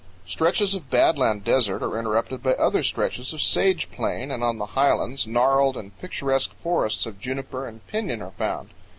Stretches of bad land desert are interrupted by other stretches of sage plain, and on the high lands gnarled and picturesque forests of juniper and piñón are found.